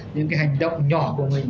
những hành động nhỏ của mình